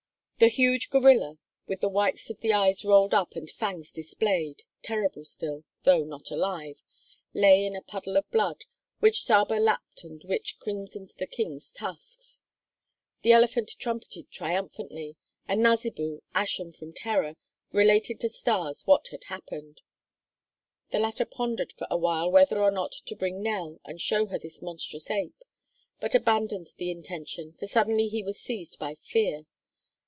The huge gorilla, with the whites of the eyes rolled up and fangs displayed, terrible still, though not alive, lay in a puddle of blood which Saba lapped and which crimsoned the King's tusks. The elephant trumpeted triumphantly and Nasibu, ashen from terror, related to Stas what had happened. The latter pondered for a while whether or not to bring Nell and show her this monstrous ape, but abandoned the intention, for suddenly he was seized by fear.